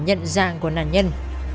nhận dạng của nạn nhân